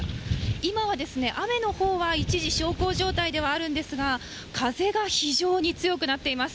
今は雨のほうは一時小康状態ではあるんですが、風が非常に強くなっています。